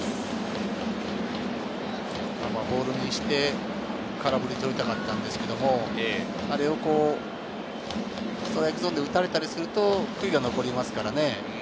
ボールにして空振りを取りたかったんですけれども、あれをストライクゾーンで打たれたりすると悔いが残りますからね。